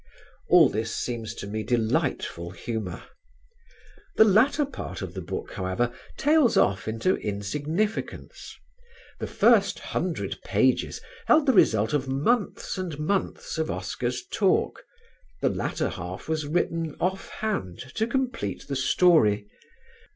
All this seems to me delightful humour. The latter part of the book, however, tails off into insignificance. The first hundred pages held the result of months and months of Oscar's talk, the latter half was written offhand to complete the story.